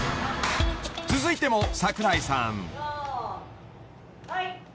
［続いても桜井さん］